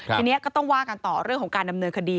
ทีนี้ก็ต้องว่ากันต่อเรื่องของการดำเนินคดี